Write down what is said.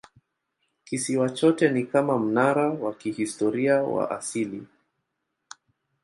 Kisiwa chote ni kama mnara wa kihistoria wa asili.